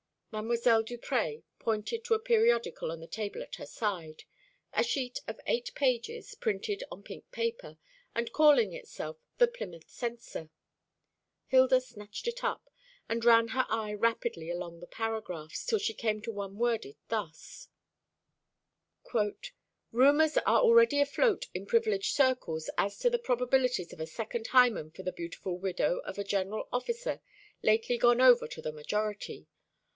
Mdlle. Duprez pointed to a periodical on the table at her side a sheet of eight pages, printed on pink paper, and calling itself the Plymouth Censor. Hilda snatched it up, and ran her eye rapidly along the paragraphs, till she came to one worded thus: "Rumours are already afloat in privileged circles as to the probabilities of a second hymen for the beautiful widow of a general officer, lately gone over to the majority.